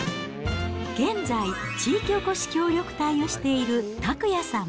現在、地域おこし協力隊をしている拓也さん。